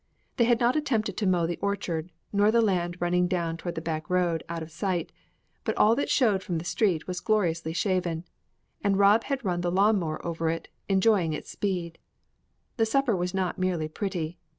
They had not attempted to mow the orchard, nor the land running down toward the back road, out of sight, but all that showed from the street was gloriously shaven, and Rob had run the lawn mower over it, enjoying its speed. The supper was not merely pretty.